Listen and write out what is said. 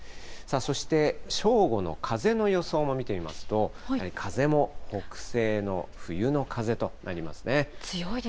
そして、正午の風の予想を見てみますと、風も北西の冬の風となりますね。